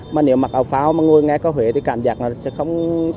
mà nếu mặc áo phao mà ngồi nghe có huế thì cảm giác nó sẽ không